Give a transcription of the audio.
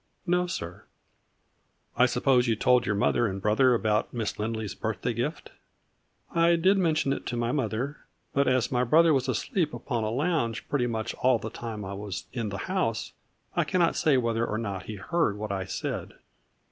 " No, sir." " I suppose you told your mother and brother about Miss Lindley's birthday gift ?"" I did mention it to mother, but as my brother was asleep upon a lounge pretty much all the time that I was in the house, I cannot say whether or not he heard what I said.